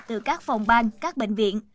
từ các phòng ban các bệnh viện